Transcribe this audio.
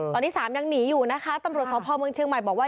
ตอนนี้๓ยังหนีอยู่นะคะตำรวจสพเมืองเชียงใหม่บอกว่า